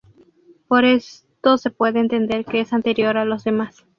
Por esto se puede entender que es anterior a los demás.